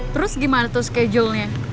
terus gimana tuh schedule nya